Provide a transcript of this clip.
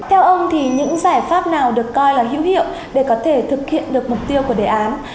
theo ông thì những giải pháp nào được coi là hữu hiệu để có thể thực hiện được mục tiêu của đề án